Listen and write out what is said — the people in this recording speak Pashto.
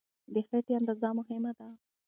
د خېټې اندازه مهمه ده.